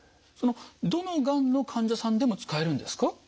そのどのがんの患者さんでも使えるんですか？